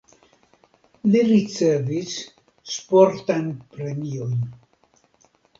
Li ricevis sportajn premiojn.